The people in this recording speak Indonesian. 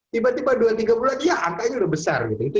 tiba tiba dua tiga bulan lagi ya angkanya udah besar gitu